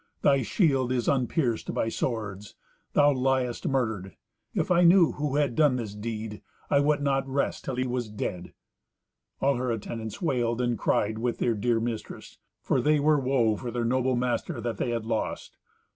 Thy shield is unpierced by swords. Thou liest murdered. If I knew who had done this deed, I would not rest till he was dead." All her attendants wailed and cried with their dear mistress, for they were woe for their noble master that they had lost.